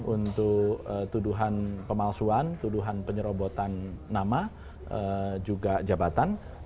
untuk tuduhan pemalsuan tuduhan penyerobotan nama juga jabatan